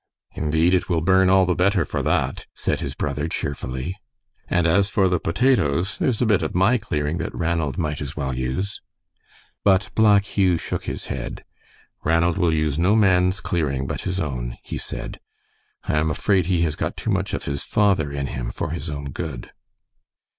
"Indeed, it will burn all the better for that," said his brother, cheerfully. "And as for the potatoes, there is a bit of my clearing that Ranald might as well use." But Black Hugh shook his head. "Ranald will use no man's clearing but his own," he said. "I am afraid he has got too much of his father in him for his own good."